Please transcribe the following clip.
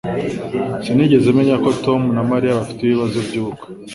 Sinigeze menya ko Tom na Mariya bafite ibibazo byubukwe